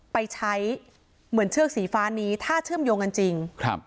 ไปใช้เหมือนเชือกสีฟ้านี้ถ้าเชื่อมโยงกันจริงครับ